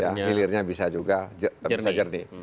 hilirnya bisa juga jernih